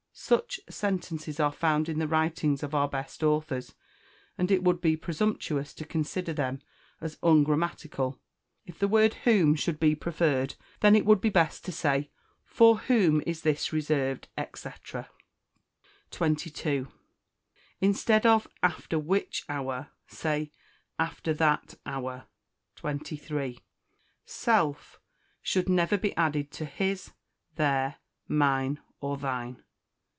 Such sentences are found in the writings of our best authors, and it would be presumptuous to consider them as ungrammatical. If the word whom should be preferred, then it would be best to say, "For whom is this reserved?" &c. 22. Instead of "After which hour," say "After that hour." 23. Self should never be added to _his, their, mine, or thine.